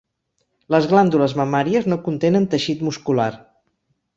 Les glàndules mamàries no contenen teixit muscular.